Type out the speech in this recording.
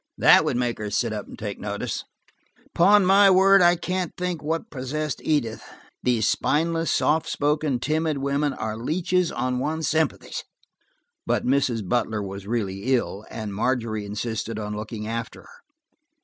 That would make her sit up and take notice. Upon my word, I can't think what possessed Edith; these spineless, soft spoken, timid women are leeches on one's sympathies." But Mrs. Butler was really ill, and Margery insisted on looking after her.